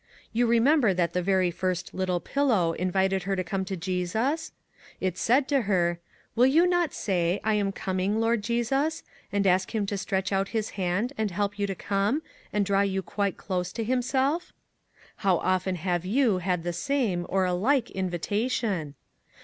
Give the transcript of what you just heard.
You remember that the very first " Little Pillow " invited her to come to Jesus ? It said to her :" Will you not say, ' I am coming, Lord Jesus !' and ask him to stretch out his hand and help you to come, and draw you quite close to himself? " How often have you had the same, or a like, invitation?